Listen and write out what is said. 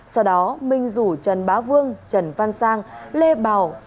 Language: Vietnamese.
sau đó minh rủ trần bá vương trần văn sang lê bảo